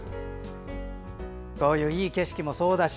こういういい景色もそうだし